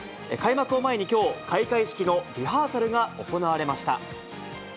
開幕を前にきょう、開会式のリハーサルが行われました。